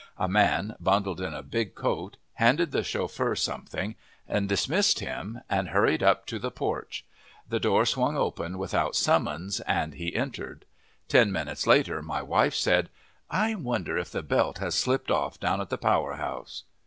A man, bundled in a big coat, handed the chauffeur something and dismissed him, and hurried up to the porch. The door swung open without summons and he entered. Ten minutes later my wife said: "I wonder if the belt has slipped off down at the power house?"